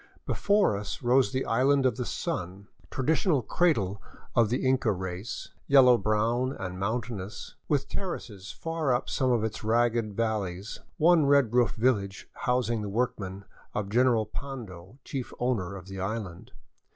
Before us rose the Island of the Sun, traditional cradle of the Inca race, yellow brown and mountainous, with terraces far up some of its rugged valleys, one red roofed village housing the workmen of General Pando, chief owner of the island.